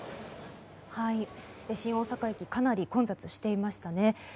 新大阪駅かなり混雑していましたね。